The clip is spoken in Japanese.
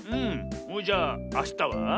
それじゃああしたは？